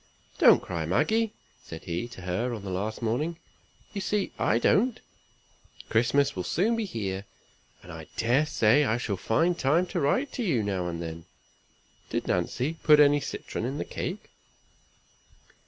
"Don't cry, Maggie!" said he to her on the last morning; "you see I don't. Christmas will soon be here, and I dare say I shall find time to write to you now and then. Did Nancy put any citron in the cake?"